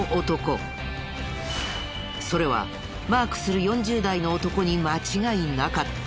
それはマークする４０代の男に間違いなかった。